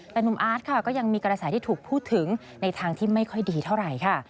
แต่หนุ่มอาร์ตค่ะก็ยังมีกระแสที่ถูกพูดถึงในทางที่ไม่ค่อยดีเท่าไหร่ค่ะ